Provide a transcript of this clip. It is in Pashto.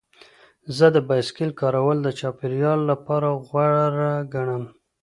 زه د بایسکل کارول د چاپیریال لپاره غوره ګڼم.